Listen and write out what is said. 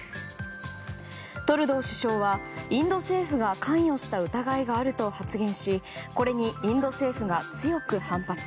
トルドー首相はインド政府が関与した疑いがあると発言しこれにインド政府が強く反発。